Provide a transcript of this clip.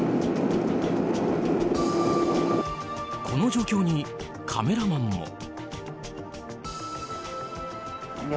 この状況に、カメラマンも。